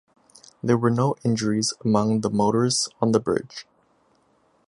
There were no injuries among the motorists on the bridge.